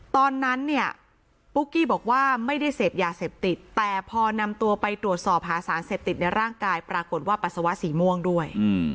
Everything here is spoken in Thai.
ตอนนั้นเนี่ยปุ๊กกี้บอกว่าไม่ได้เสพยาเสพติดแต่พอนำตัวไปตรวจสอบหาสารเสพติดในร่างกายปรากฏว่าปัสสาวะสีม่วงด้วย